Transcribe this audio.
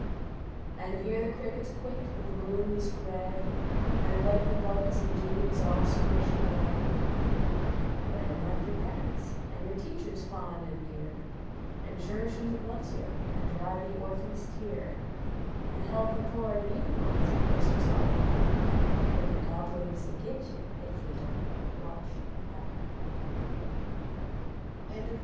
An you hear the crickets quit, an the moon is gray, An the lightnin bugs in dew is all squenched away, You better mind yer parents, an yer teachers fond an dear, An churish them at loves yon, an dry the orphant s tear An he p the pore an needy ones at clusters all about, Er the Gobblc uns ll git YOU Ef YOU 6 OTHE RAGGEDY MAN!